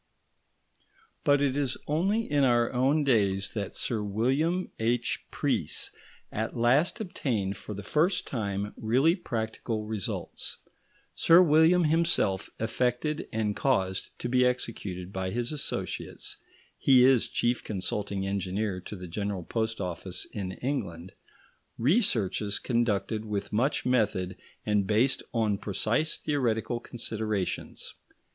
But it is only in our own days that Sir William H. Preece at last obtained for the first time really practical results. Sir William himself effected and caused to be executed by his associates he is chief consulting engineer to the General Post Office in England researches conducted with much method and based on precise theoretical considerations.